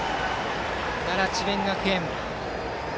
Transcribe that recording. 奈良・智弁学園。